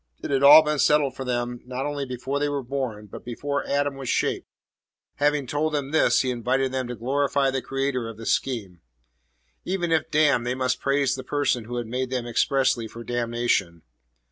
It had all been settled for them not only before they were born, but before Adam was shaped. Having told them this, he invited them to glorify the Creator of the scheme. Even if damned, they must praise the person who had made them expressly for damnation.